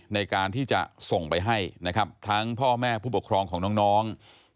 ในการที่จะส่งไปให้นะครับทั้งพ่อแม่ผู้ปกครองของน้อง